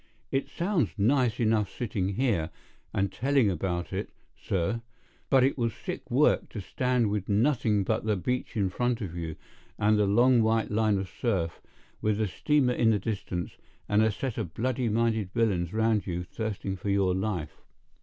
It sounds nice enough sitting here and telling about it, sir; but it was sick work to stand with nothing but the beach in front of you, and the long white line of surf, with the steamer in the distance, and a set of bloody minded villains round you thirsting for your life.